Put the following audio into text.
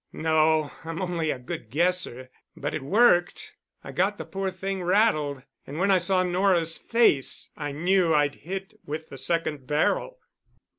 "No. I'm only a good guesser. But it worked. I got the poor thing rattled. And when I saw Nora's face I knew I'd hit with the second barrel."